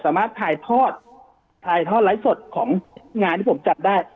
สามารถถ่ายทอดไล่สดของงานที่ผมจัดได้